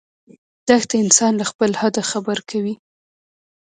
دښته انسان له خپل حده خبر کوي.